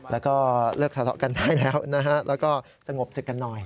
แล้วก็เลิกทะเลาะกันได้แล้วนะฮะแล้วก็สงบศึกกันหน่อย